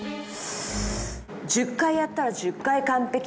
１０回やったら１０回完璧。